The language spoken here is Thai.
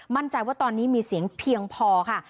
มั่นใจว่าตอนนี้มีเสียงเพียงพอค่ะ